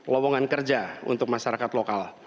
lowongan kerja untuk masyarakat lokal